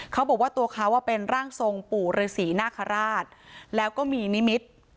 เขาบอกว่าตัวเขาเป็นร่างทรงปู่ฤษีนาคาราชแล้วก็มีนิมิตร